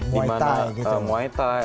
di mana muay thai